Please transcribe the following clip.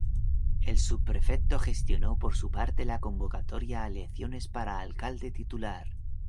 El subprefecto gestionó por su parte la convocatoria a elecciones para alcalde titular.